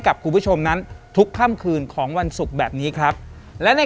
กับคุณผู้ชมนั้นทุกค่ำคืนของวันศุกร์แบบนี้ครับและใน